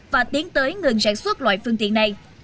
và tiến tới ngừng sản xuất loại phương tiện này